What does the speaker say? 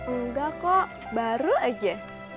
enggak kok baru aja